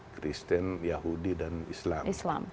kristen yahudi dan islam